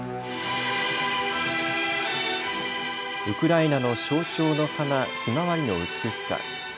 ウクライナの象徴の花、ひまわりの美しさ。